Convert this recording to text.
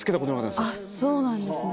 そうなんですね。